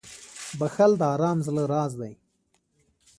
• بښل د ارام زړه راز دی.